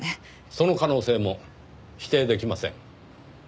その可能性も否定できません。